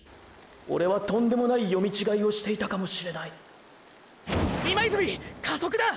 オレはとんでもない読み違いをしていたかもしれないーー今泉加速だ！！